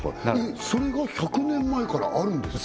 それが１００年前からあるんですか？